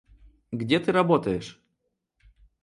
Где ты работаешь?